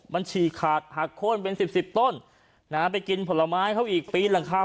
มันฉี่ขาดหักโค้นเป็นสิบสิบต้นนะฮะไปกินผลไม้เขาอีกปีนหลังคา